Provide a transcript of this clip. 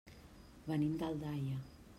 Venim d'Aldaia.